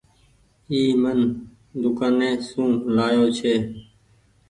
اي مين دوڪآني سون لآيو ڇي۔